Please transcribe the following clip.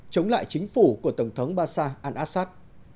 chống lại chính phủ của tổng thống bash al assad